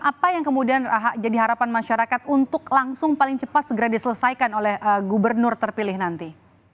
apa yang kemudian jadi harapan masyarakat untuk langsung paling cepat segera diselesaikan oleh gubernur terpilih nanti